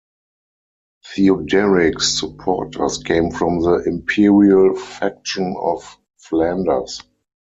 Theoderic's supporters came from the Imperial faction of Flanders.